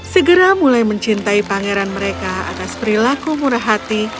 segera mulai mencintai pangeran mereka atas perilaku murah hati